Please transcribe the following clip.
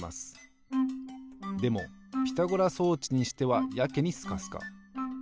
でもピタゴラ装置にしてはやけにスカスカ。